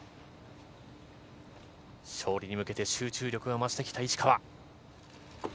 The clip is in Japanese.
勝利に向けて、集中力が増してきた石川。